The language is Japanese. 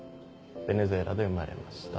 ベネズエラで生まれました。